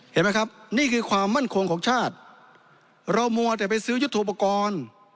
เห็นไหมครับนี่คือความมั่นคงของชาติเรามัวแต่ไปซื้อยุทธโปรกรณ์